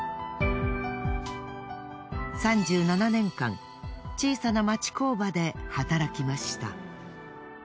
３７年間小さな町工場で働きました。